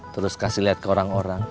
terus kasih lihat ke orang orang